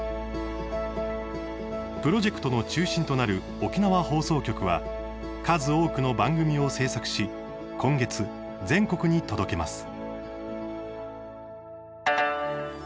プロジェクトの中心となる沖縄放送局は数多くの番組を制作し今月、全国に届けます。